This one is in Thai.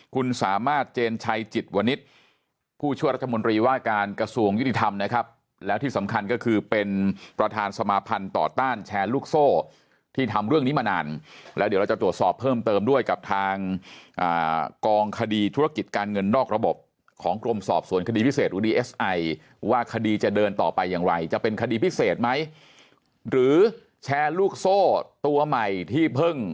คุณสามารถเจนชัยจิตวณิชย์ผู้ช่วยรัฐมนตรีว่าการกระทรวงยฤทธรรมนะครับแล้วที่สำคัญก็คือเป็นประธานสมาภัณฑ์ต่อต้านแชร์ลูกโซ่ที่ทำเรื่องนี้มานานแล้วเดี๋ยวจะตรวจสอบเพิ่มเติมด้วยกับทางกองคดีธุรกิจการเงินนอกระบบของกรมสอบส่วนคดีพิเศษอุดีเอสไอว่าคดีจะเดินต่อไปอย่าง